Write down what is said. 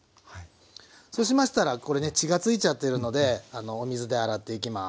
そうしましたらこれね血がついちゃってるのでお水で洗っていきます。